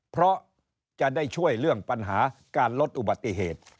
เพราะจะได้ช่วยเรื่องปัญหาการลดอุบัติเหตุ